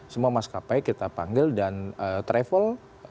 semua maskapai kita panggil dan travel